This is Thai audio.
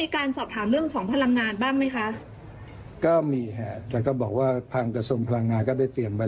ครับก็คงจะมีการหลุมฐานเลยกับกระทรวงพลังงานต่อไป